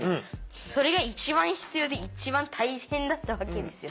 それが一番必要で一番大変だったわけですよ。